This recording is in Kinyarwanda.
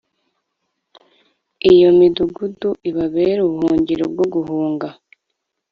Iyo midugudu ibabere ubuhungiro bwo guhunga